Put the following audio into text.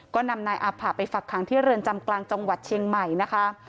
ก็นำนายอาผ่าไปฝักขังที่เรือนจำกลางจังหวัดเชียงใหม่นะคะ